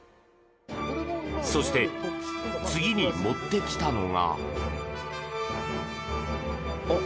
そして、次に持ってきたのが。